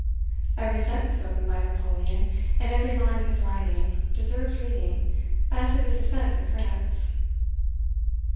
Every sentence spoken by Napoleon, and every line of his writing, deserves reading, as it is the sense of France.